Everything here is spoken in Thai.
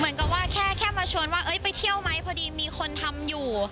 เหมือนกับว่าแค่มาชวนว่าไปเที่ยวไหมพอดีมีคนทำอยู่